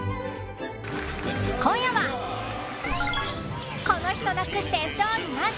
今夜はこの人なくして勝利なし！